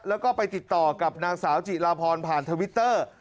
แล้วก็ไปติดต่อกับนางสาวจิลาพรผ่านทวิตเตอร์